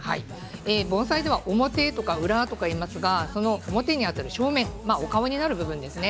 盆栽では表とか裏とか言いますが表にあたる正面お顔になる部分ですね。